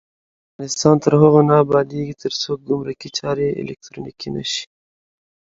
افغانستان تر هغو نه ابادیږي، ترڅو ګمرکي چارې الکترونیکي نشي.